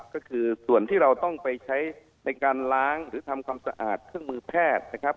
ก็คือส่วนที่เราต้องไปใช้ในการล้างหรือทำความสะอาดเครื่องมือแพทย์นะครับ